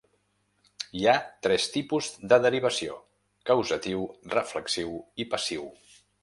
Hi ha tres tipus de derivació: causatiu, reflexiu i passiu.